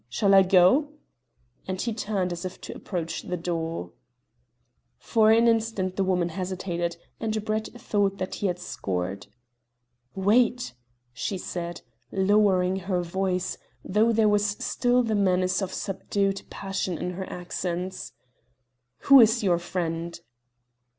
Shall I go?" And he turned as if to approach the door. For an instant the woman hesitated, and Brett thought that he had scored. "Wait," she said, lowering her voice, though there was still the menace of subdued passion in her accents. "Who is your friend?"